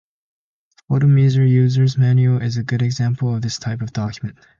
The "PhotoMeister User's Manual" is a good example of this type of document.